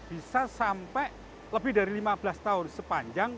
bisa sampai lebih dari lima belas tahun sepanjang